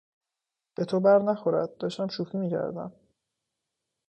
به تو برنخورد، داشتم شوخی میکردم!